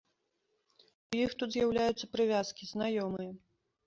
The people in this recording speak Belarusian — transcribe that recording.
І ў іх тут з'яўляюцца прывязкі, знаёмыя.